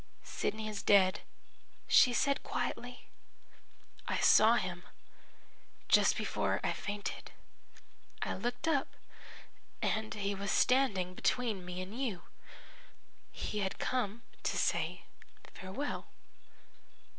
"'Sidney is dead,' she said quietly. 'I saw him just before I fainted. I looked up, and he was standing between me and you. He had come to say farewell.'